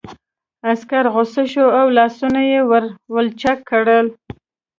عسکر غوسه شو او لاسونه یې ور ولچک کړل